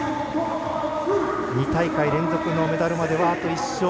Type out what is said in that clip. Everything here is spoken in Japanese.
２大会連続のメダルまではあと１勝。